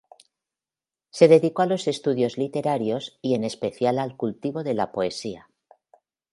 Se dedicó a los estudios literarios y en especial al cultivo de la poesía.